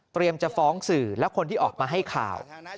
จะฟ้องสื่อและคนที่ออกมาให้ข่าว